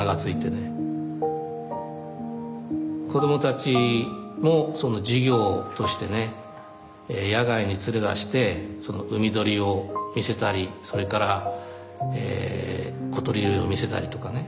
子供たちも授業としてね野外に連れ出して海鳥を見せたりそれから小鳥類を見せたりとかね。